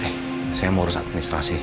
hei saya mau urus administrasi